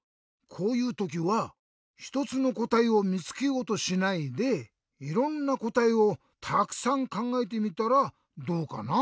こういうときはひとつのこたえをみつけようとしないでいろんなこたえをたくさんかんがえてみたらどうかな？